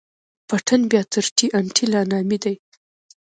پټن بيا تر ټي ان ټي لا نامي دي.